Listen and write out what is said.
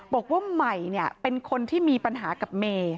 บอกว่าใหม่เป็นคนที่มีปัญหากับเมย์